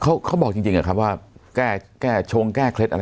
เขาเขาบอกจริงจริงอะครับว่าแก้แก้ชงแก้เคล็ดอะไร